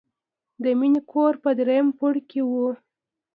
د مینې کور په دریم پوړ کې و